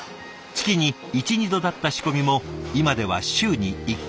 月に１２度だった仕込みも今では週に１回フル稼働。